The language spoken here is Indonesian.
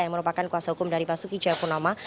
yang merupakan kuasa hukum dari pak suki cahayapunama